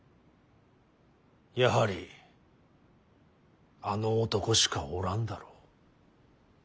やはりあの男しかおらんだろう。